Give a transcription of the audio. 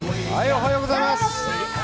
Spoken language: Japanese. おはようございます。